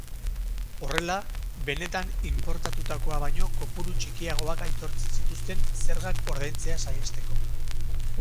Horrela, benetan inportatutakoa baino kopuru txikiagoak aitortzen zituzten zergak ordaintzea saihesteko.